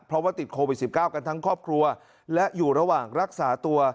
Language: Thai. เพราะว่าติดโควิด๑๙กันทั้งครอบครัวและอยู่ระหว่างรักษาตัว